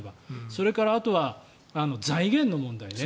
それから、あとは財源の問題ね。